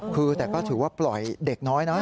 คือแต่ก็ถือว่าปล่อยเด็กน้อยนะ